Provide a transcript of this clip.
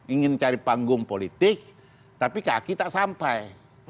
ingin cari panggung politik tapi kaki tak sampai